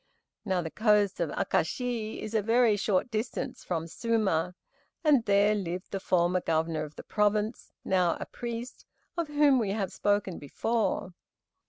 Now the coast of Akashi is a very short distance from Suma, and there lived the former Governor of the province, now a priest, of whom we have spoken before.